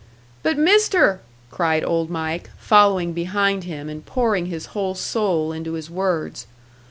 "But, Mister!" cried Old Mike, following behind him, and pouring his whole soul into his words.